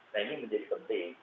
nah ini menjadi penting